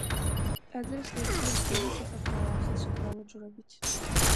ტაძრის ირგვლივ ძველი სასაფლაოა ხის უბრალო ჯვრებით.